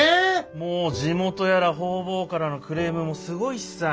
もう地元やら方々からのクレームもすごいしさ